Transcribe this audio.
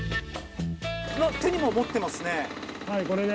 手にも持ってますね。